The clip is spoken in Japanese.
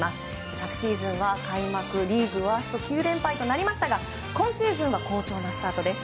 昨シーズンは開幕リーグワースト９連敗となりましたが今シーズンは好調なスタートです。